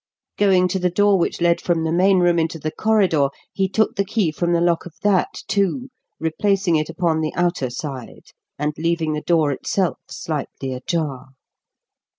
Going to the door which led from the main room into the corridor, he took the key from the lock of that, too, replacing it upon the outer side, and leaving the door itself slightly ajar.